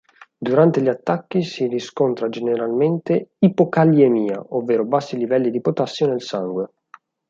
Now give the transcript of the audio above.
Durante gli attacchi si riscontra generalmente ipokaliemia, ovvero bassi livelli di potassio nel sangue.